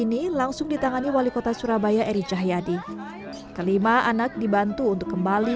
yang langsung di tangani wali kota surabaya erie cahiyadi kelima anak dibantu untuk kembali